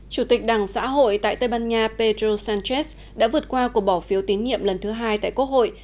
chủ tịch đảng xã hội tại tây ban nha pedro sánchez đã vượt qua cuộc bỏ phiếu tín nhiệm lần thứ hai tại quốc hội